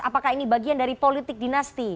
apakah ini bagian dari politik dinasti